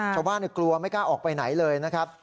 กลัวไม่กล้าออกไปไหนเลยนะครับ